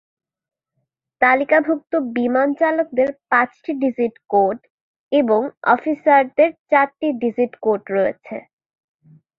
তালিকাভুক্ত বিমান চালকদের পাঁচটি ডিজিট কোড এবং অফিসারদের চারটি ডিজিট কোড রয়েছে।